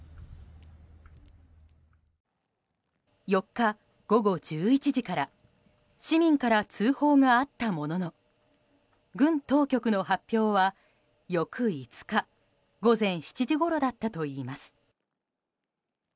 ４日午後１１時から市民から通報があったものの軍当局の発表は翌５日午前７時ごろだったといいます。